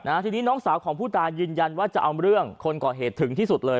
ทีนี้น้องสาวของผู้ตายยืนยันว่าจะเอาเรื่องคนก่อเหตุถึงที่สุดเลย